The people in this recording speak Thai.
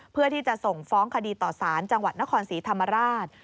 เพื่อที่จะส่งฟ้องคดีต่อสารจังหวัดนครศรีธรรมราช